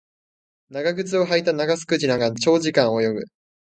長靴を履いたナガスクジラが長時間泳ぐ